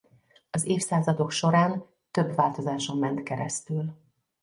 Az évszázadok során több változáson ment keresztül.